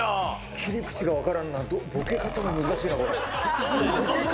切り口が分からんな、ボケ方も難しいな、これ。